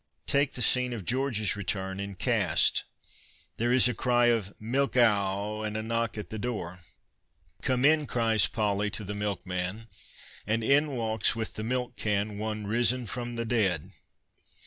Take the scene of Georges return in Caste. There is a 208 T. W. ROBERTSON cry of " milkaow '" and a knock at the door. " Come in/" cries Polly to the milkman — and in walks with the milk can one risen from the dead